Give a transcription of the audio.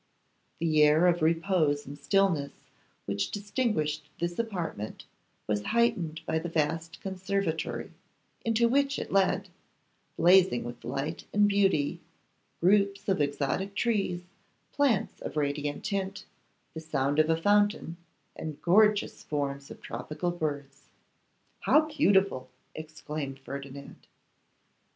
The air of repose and stillness which distinguished this apartment was heightened by the vast conservatory into which it led, blazing with light and beauty, groups of exotic trees, plants of radiant tint, the sound of a fountain, and gorgeous forms of tropic birds. 'How beautiful!' exclaimed Ferdinand.